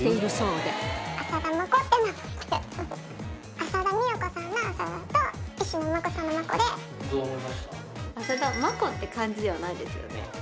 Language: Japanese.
浅田真子って感じではないですね。